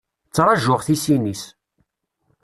Ttṛaǧǧuɣ tisin-is.